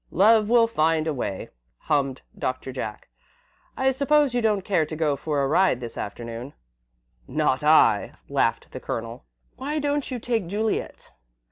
"Love will find a way," hummed Doctor Jack. "I suppose you don't care to go for a ride this afternoon?" "Not I," laughed the Colonel. "Why don't you take Juliet?"